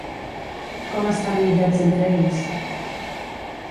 Com estan aïllats entre ells?